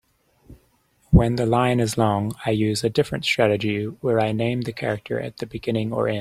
When the line is long, I use a different strategy where I name the character at the beginning or end.